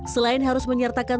selain harus menyertakan